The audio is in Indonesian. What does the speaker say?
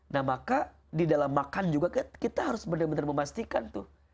nah maka di dalam makan juga kita harus benar benar memastikan tuh